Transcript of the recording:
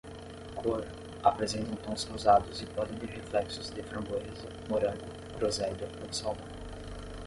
Cor: apresentam tons rosados e podem ter reflexos de framboesa, morango, groselha ou salmão.